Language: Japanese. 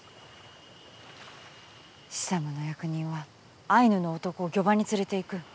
シサムの役人はアイヌの男を漁場に連れて行く。